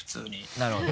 なるほど。